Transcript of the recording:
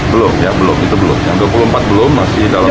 belum ya belum itu belum yang dua puluh empat belum masih dalam